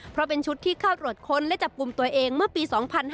เพราะเป็นชุดที่เข้าตรวจค้นและจับกลุ่มตัวเองเมื่อปี๒๕๕๙